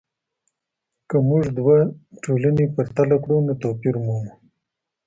که موږ دوه ټولنې پرتله کړو نو توپیر مومو.